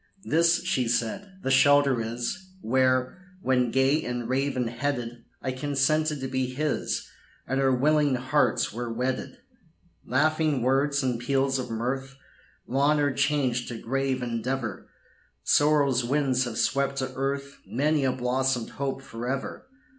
"This," she said, "the shelter is, Where, when gay and raven headed, I consented to be his, And our willing hearts were wedded. "Laughing words and peals of mirth, Long are changed to grave endeavor; Sorrow's winds have swept to earth Many a blossomed hope forever.